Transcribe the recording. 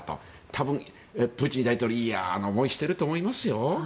多分、プーチン大統領嫌な思いをしてると思いますよ。